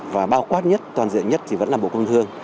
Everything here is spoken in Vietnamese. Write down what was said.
và bao quát nhất toàn diện nhất thì vẫn là bộ công thương